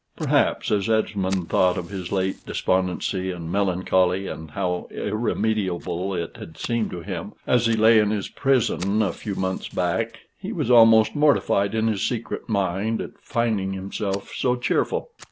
Perhaps, as Esmond thought of his late despondency and melancholy, and how irremediable it had seemed to him, as he lay in his prison a few months back, he was almost mortified in his secret mind at finding himself so cheerful.